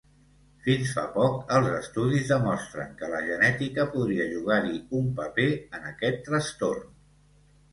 Fins fa poc, els estudis demostren que la genètica podria jugar-hi un paper en aquest trastorn.